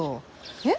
えっ？